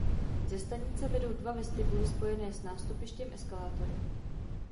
Ze stanice vedou dva vestibuly spojené s nástupištěm eskalátory.